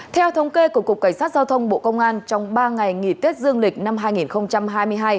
theo thống kê của cục cảnh sát giao thông bộ công an trong ba ngày nghỉ tết dương lịch năm hai nghìn hai mươi hai